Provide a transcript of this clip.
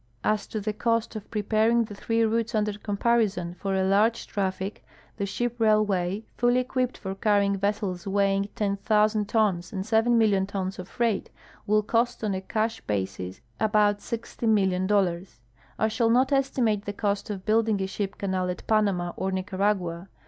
As to the cost of pre paring the three routes under comparison for a large traffic, the ship railway, fully equipped for canning yessels weighing 10,000 tons and 7,000,000 tons of freight, will cost on a cash basis about $60,000,000. I shall not estimate the cost of building a ship canal at Panama or Nicaragua.